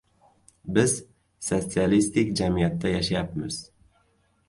Biz sotsialistik jamiyatda yashayapmiz!